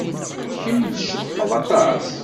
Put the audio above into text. Kemm tcebḥed aṭas.